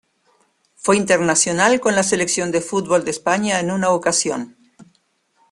Fue internacional con la Selección de fútbol de España en una ocasión.